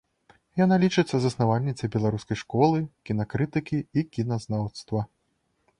Яна лічыцца заснавальніцай беларускай школы кінакрытыкі і кіназнаўства.